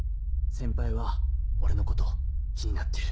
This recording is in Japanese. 先輩は俺のこと気になってる。